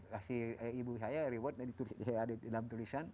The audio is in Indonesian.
dan ibu saya reward ada di dalam tulisan